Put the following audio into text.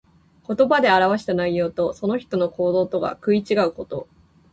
言葉で表した内容と、その人の行動とが食い違うこと。